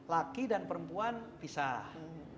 laki dan perempuan pisah